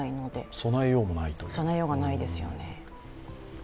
備えようがないですよね。